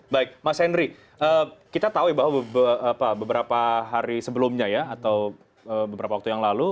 baik mas henry kita tahu ya bahwa beberapa hari sebelumnya ya atau beberapa waktu yang lalu